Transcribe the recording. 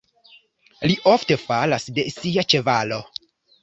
Li ofte falas de sia ĉevalo.